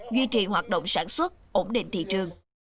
duy trì hoạt động sản xuất ổn định thị trường